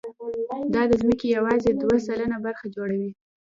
دا د ځمکې یواځې دوه سلنه برخه جوړوي.